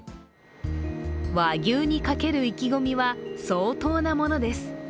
和牛にかける意気込みは相当なものです。